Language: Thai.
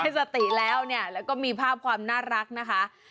สติแล้วเนี่ยแล้วก็มีภาพความน่ารักนะคะ